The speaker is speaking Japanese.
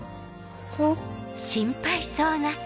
そう。